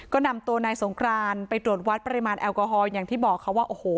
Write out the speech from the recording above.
ก็นำตัวนายสงครานไปตรวจวัดปริมาณแอลกอฮอลอย่างที่บอกค่ะว่าโอ้โห